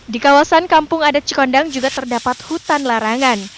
di kawasan kampung adat cikondang juga terdapat hutan larangan